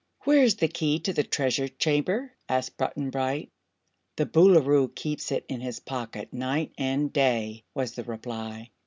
"Where's the key to the Treasure Chamber?" asked Button Bright. "The Boolooroo keeps it in his pocket, night and day," was the reply.